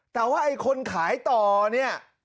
แต่ว่าไอ้คนขายต่อเนี่ย